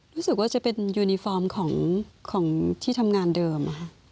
รู้สึกว่าจะเป็นยูนิฟอร์มของที่ทำงานเดิม